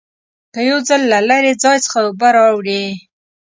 که یو ځل له لرې ځای څخه اوبه راوړې.